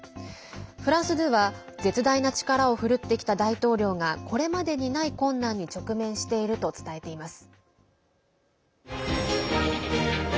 フランス２は絶大な力を振るってきた大統領がこれまでにない困難に直面していると伝えています。